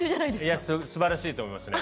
いやすばらしいと思いますね。